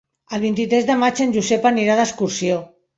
El vint-i-tres de maig en Josep anirà d'excursió.